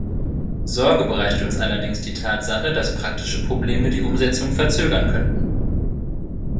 Sorge bereitet uns allerdings die Tatsache, dass praktische Probleme die Umsetzung verzögern könnten.